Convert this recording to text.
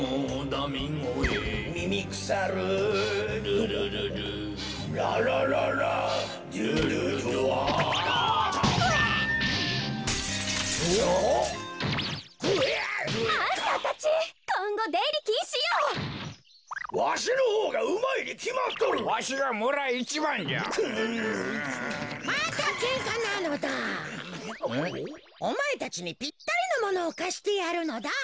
おまえたちにぴったりのものをかしてやるのだ。